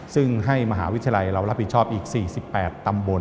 ซึ่งให้มหาวิทยาลัยเรารับผิดชอบอีก๔๘ตำบล